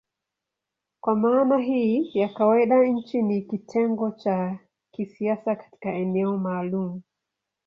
Kwa maana hii ya kawaida nchi ni kitengo cha kisiasa katika eneo maalumu.